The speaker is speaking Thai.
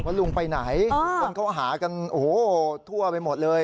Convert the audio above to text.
ว่าลุงไปไหนวันเขาหากันทั่วไปหมดเลย